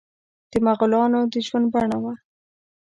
د مغولانو د ژوند بڼه وه.